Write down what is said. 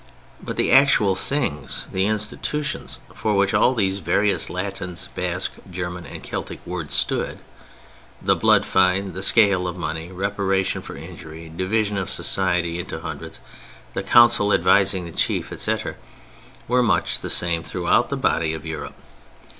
But the actual things—the institutions—for which all these various Latins, Basque, German, and Celtic words stood (the blood fine, the scale of money—reparation for injury, division of society into "hundreds," the Council advising the Chief, etc.) were much the same throughout the body of Europe.